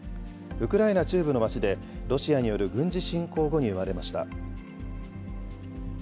ウクライナ中部の町でロシアによる軍事侵攻後に産まれました。